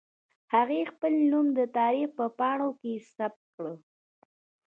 هغې خپل نوم د تاريخ په پاڼو کې ثبت کړ.